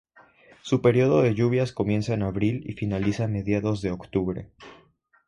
Su período de lluvias comienza en abril y finaliza a mediados de octubre.